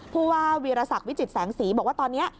ผู้ว่าวีรศักดิ์วิจิตแสงสีบอกว่าตอนนี้